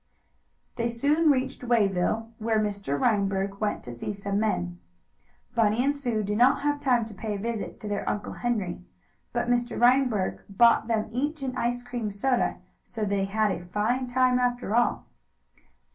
They soon reached Wayville, where Mr. Reinberg went to see some men. Bunny and Sue did not have time to pay a visit to their Uncle Henry, but Mr. Reinberg bought them each an ice cream soda, so they had a fine time after all.